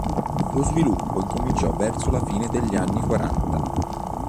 Lo sviluppo incominciò verso la fine degli anni quaranta.